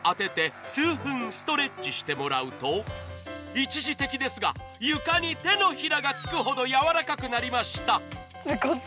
一時的ですが、床にてのひらがつくほど柔らかくなりました。